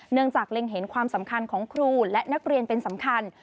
จากเล็งเห็นความสำคัญของครูและนักเรียนเป็นสำคัญ